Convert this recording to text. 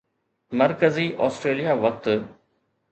مرڪزي آسٽريليا وقت